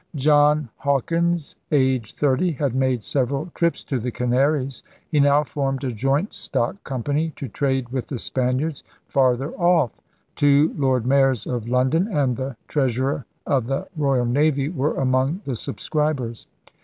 John Hawkins, aged thirty, had made several trips to the Canaries. He now formed a joint stock company to trade with the Spaniards farther off. Two Lord Mayors of London and the Treas urer of the Royal Navy were among the subscrib ers.